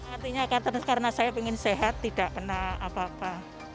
artinya karena saya ingin sehat tidak pernah apa apa